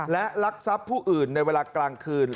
และรักทรัพย์ผู้อื่นในเวลากลางคืน